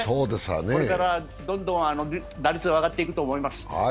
これからどんどん打率は上がっていくと思います。